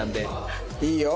いいよ！